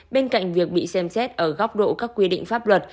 bên cạnh việc bị xem xét ở góc độ các quy định pháp luật